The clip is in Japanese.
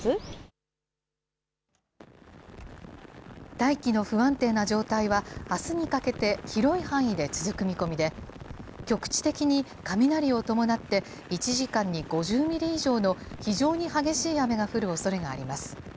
大気の不安定な状態は、あすにかけて広い範囲で続く見込みで、局地的に雷を伴って、１時間に５０ミリ以上の非常に激しい雨が降るおそれがあります。